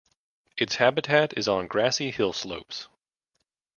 Its habitat is on grassy hill slopes.